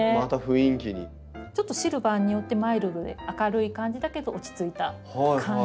ちょっとシルバーによってマイルドで明るい感じだけど落ち着いた感じに。